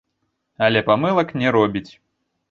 Але памылак не робіць.